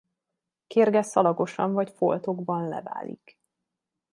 Kérge szalagosan vagy foltokban leválik.